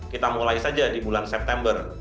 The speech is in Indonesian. kita mulai saja di bulan september